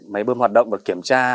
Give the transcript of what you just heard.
máy bơm hoạt động và kiểm tra